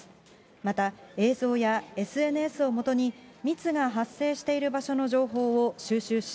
また、映像やＳＮＳをもとに、密が発生している場所の情報を収集し、